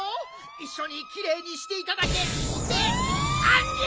いっしょにきれいにしていただけってあんりゃ！